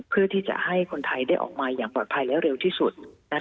เพื่อที่จะให้คนไทยได้ออกมาอย่างปลอดภัยและเร็วที่สุด